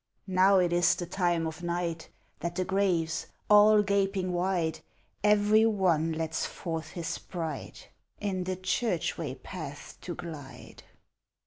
Now it is the time of night, That the graves, all gaping wide, Every OTIC lets forth his sprite, In the church way paths to glide.